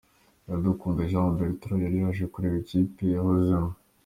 Iradukunda Jean Bertrand yari yaje kureba ikipe yahozemo.